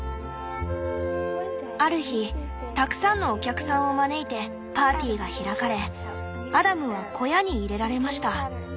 「ある日たくさんのお客さんを招いてパーティーが開かれアダムは小屋に入れられました。